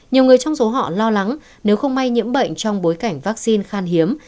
nhiều người trong số họ lo lắng nếu không may nhiễm bệnh trong bối cảnh vaccine khan hiếm